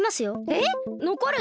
えっ！？のこるの！？